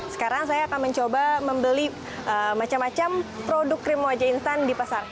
sekarang saya akan mencoba membeli macam macam produk krim wajah instan di pasar